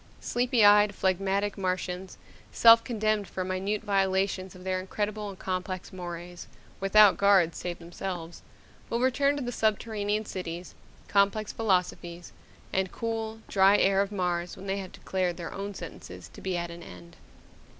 Sleepy eyed, phlegmatic Martians, self condemned for minute violations of their incredible and complex mores without guards save themselves will return to the subterranean cities, complex philosophies, and cool, dry air of Mars when they have declared their own sentences to be at an end.